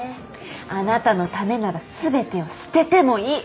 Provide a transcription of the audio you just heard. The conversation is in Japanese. あなたのためなら全てを捨ててもいい。